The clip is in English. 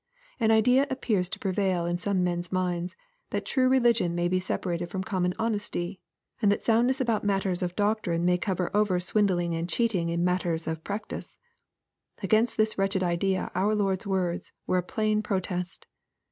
An idea appears to prevail in some men's minds, that true religion may be separated from common honesty, and that soundness about matters of doctrine may cover over swindling and cheating in matters of practice ! Against this wretched idea our Lord's words were a plain pro test.